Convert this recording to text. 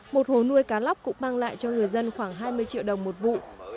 một hồ nuôi cá lóc cũng mang lại cho người dân khoảng hai mươi triệu đồng một vụ